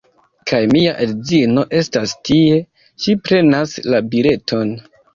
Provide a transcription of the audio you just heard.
Kaj mia edzino estas tie, ŝi prenas la bileton